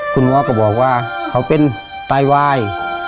คุณว่าก็บอกว่าเขาเป็นตายวาย